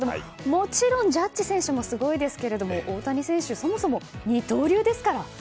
もちろんジャッジ選手もすごいですけど大谷選手そもそも二刀流ですから。